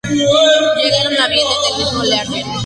Llegaron a Viena en el mismo Learjet.